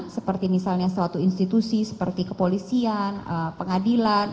seperti misalnya suatu institusi seperti kepolisian pengadilan